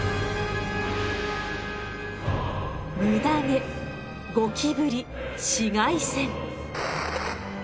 ムダ毛ゴキブリ紫外線。